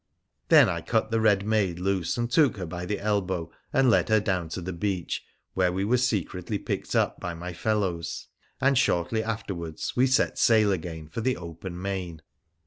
Then I cut the red maid loose and took her by the elbow and led her down to the beach, where we were secretly picked up by my fellows, and shortly afterwards we set sail again for the open main.